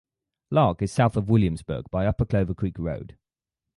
Larke is south of Williamsburg by Upper Clover Creek Road.